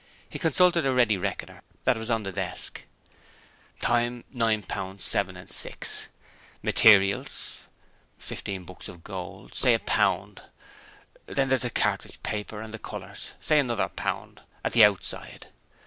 He consulted a ready reckoner that was on the desk. 'Time, £9.7.6. Materials: fifteen books of gold, say a pound. Then there's the cartridge paper and the colours say another pound, at the outside.